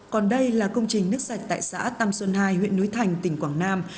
còn đây là công trình nước sạch tại xã tam xuân hai huyện núi thành tỉnh quảng nam